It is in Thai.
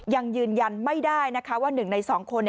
ยังยืนยันไม่ได้นะคะว่าหนึ่งในสองคน